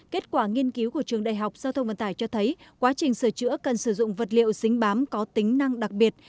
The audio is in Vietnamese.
kết quả nghiên cứu của trường đại học giao thông vận tải cho thấy quá trình sửa chữa cần sử dụng vật liệu dính bám có tính năng đặc biệt